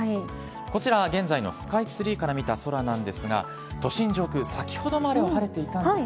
こちらは現在のスカイツリーから見た空なんですが、都心上空、先ほどまでは晴れていたんですが。